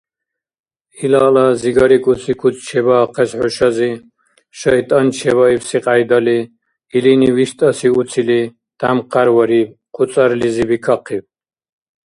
Илала зигарикӀуси куц чебаахъес хӀушази, шайтӀан чебиибси кьяйдали, илини виштӀаси уцили тямхъярвариб, хъуцӀарлизи бикахъиб.